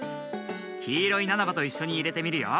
きいろいナナバといっしょにいれてみるよ。